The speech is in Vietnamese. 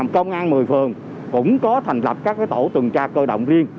công an một mươi phường cũng có thành lập các tổ tuần tra cơ động riêng